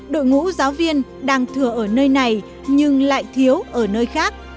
đội ngũ giáo viên đang thừa ở nơi này nhưng lại thiếu ở nơi khác